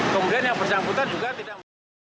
kemudian yang bersangkutan juga tidak memiliki